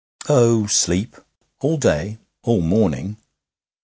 'Oh, sleep.' 'All day?' 'All morning.'